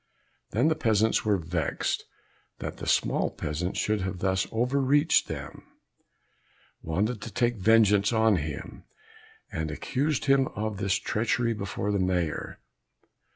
Then the peasants were vexed that the small peasant should have thus overreached them, wanted to take vengeance on him, and accused him of this treachery before the Mayor.